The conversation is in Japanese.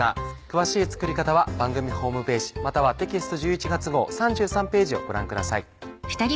詳しい作り方は番組ホームページまたはテキスト１１月号３３ページをご覧ください。